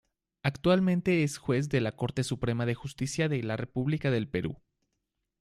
Actualmente es Juez de la Corte Suprema de Justicia de la República del Perú.